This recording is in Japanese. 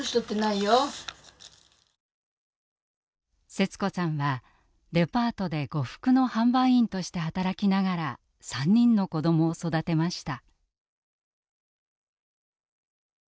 セツ子さんはデパートで呉服の販売員として働きながら３人の子どもを育てました。